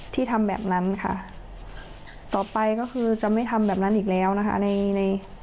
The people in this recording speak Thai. ที่ทำแบบนั้นค่ะต่อไปก็คือจะไม่ทำแบบนั้นอีกแล้วนะคะในใน